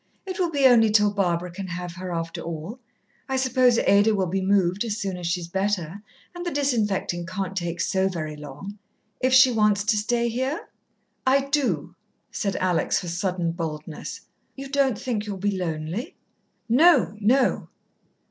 It will be only till Barbara can have her, after all I suppose Ada will be moved as soon as she's better, and the disinfecting can't take so very long. If she wants to stay here?" "I do," said Alex, with sudden boldness. "You don't think you'll be lonely?" "No, no."